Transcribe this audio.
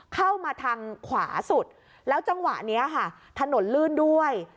เข้ามาทางขวาสุดแล้วจังหวะนี้ค่ะถนนลื่นด้วย